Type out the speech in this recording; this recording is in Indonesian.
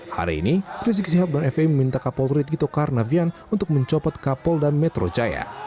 hari ini rizik syihab dan fmi meminta kapol ritgito karnavian untuk mencopot kapolda metro jaya